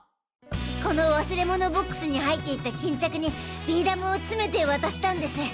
この忘れ物ボックスに入っていた巾着にビー玉を詰めて渡したんです。